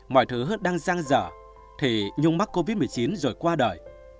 mọi thứ đang giang dở thì nhung mắc covid một mươi chín rồi qua đời